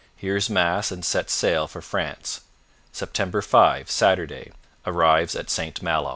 Hears Mass and sets sail for France. Sept. 5 Saturday Arrives at St Malo.